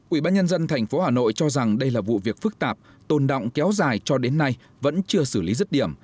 ủy ban nhân dân tp hà nội cho rằng đây là vụ việc phức tạp tồn động kéo dài cho đến nay vẫn chưa xử lý rứt điểm